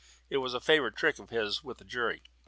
It was a favourite trick of his with the jury.